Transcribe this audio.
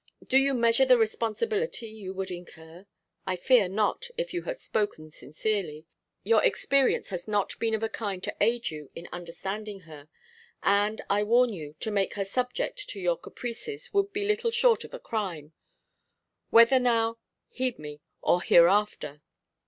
'Do you measure the responsibility you would incur? I fear not, if you have spoken sincerely. Your experience has not been of a kind to aid you in understanding her, and, I warn you, to make her subject to your caprices would be little short of a crime, whether now heed me or hereafter.